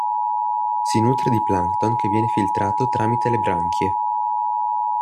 Si nutre di plancton che viene filtrato tramite le branchie.